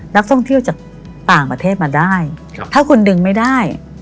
นักท่องเที่ยวจากต่างประเทศมาได้ถ้าคุณดึงไม่ได้